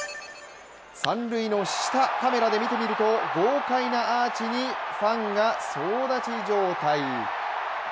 三塁の下カメラで見てみると、豪快なアーチにファンが総立ち状態。